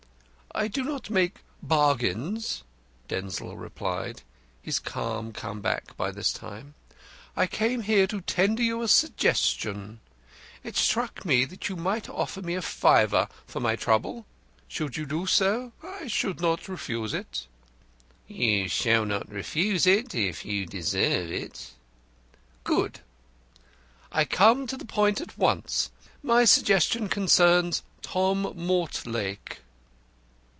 "I do not make bargains," Denzil replied, his calm come back by this time. "I came here to tender you a suggestion. It struck me that you might offer me a fiver for my trouble. Should you do so, I shall not refuse it." "You shall not refuse it if you deserve it." "Good. I will come to the point at once. My suggestion concerns Tom Mortlake."